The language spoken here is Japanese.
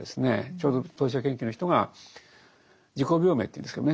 ちょうど当事者研究の人が自己病名というんですけどもね